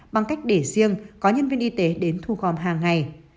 bằng cách để riêng có nhân viên y tế đến thu gom hàng ngày